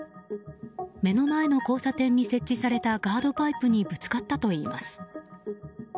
目の前の交差点に設置されたガードパイプにぶつかったといいます。